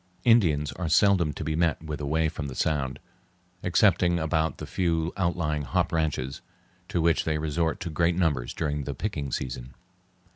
Indians are seldom to be met with away from the Sound, excepting about the few outlying hop ranches, to which they resort in great numbers during the picking season.